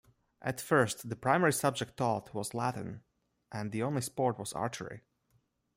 At first the primary subject taught was Latin, and the only sport was archery.